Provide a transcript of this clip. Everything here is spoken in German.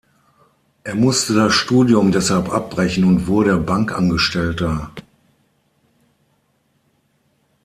Er musste das Studium deshalb abbrechen und wurde Bankangestellter.